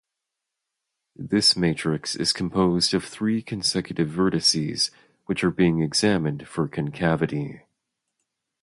This matrix is composed of three consecutive vertices which are being examined for concavity.